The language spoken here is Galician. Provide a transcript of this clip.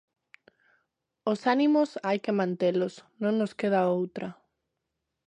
Os ánimos hai que mantelos, non nos queda outra.